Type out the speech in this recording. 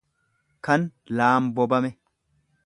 kan laambobame.